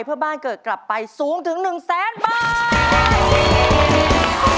เพื่อบ้านเกิดกลับไปสูงถึง๑แสนบาท